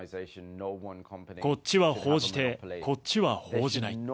こっちは報じて、こっちは報じない。